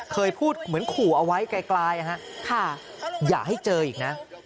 เคยพูดเหมือนขู่เอาไว้ไกลอย่าให้เจออีกนะ